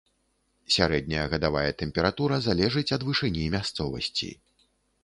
Сярэдняя гадавая тэмпература залежыць ад вышыні мясцовасці.